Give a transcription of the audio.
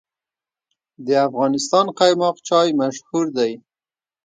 د افغانستان قیماق چای مشهور دی